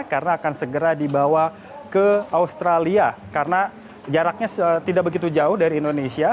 karena akan segera dibawa ke australia karena jaraknya tidak begitu jauh dari indonesia